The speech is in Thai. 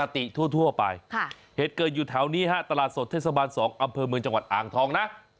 โทษเทศบาล๒อำเภอเมืองจังหวัดอ่างทองนะ